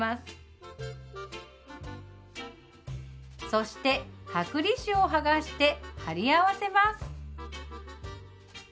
そして剥離紙を剥がして貼り合わせます。